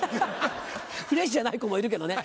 フレッシュじゃない子もいるけどね